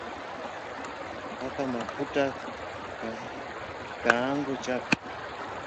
paka mafuta kikaango chako